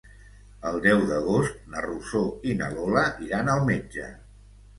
El deu d'agost na Rosó i na Lola iran al metge.